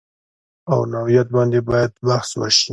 او نوعیت باندې باید بحث وشي